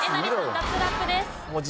脱落です。